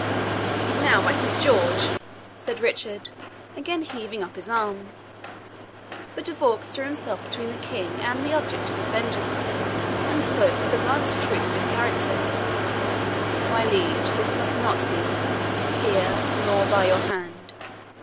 "Now, by Saint George!" said Richard, again heaving up his arm. But De Vaux threw himself between the King and the object of his vengeance, and spoke with the blunt truth of his character, "My liege, this must not be here, nor by your hand.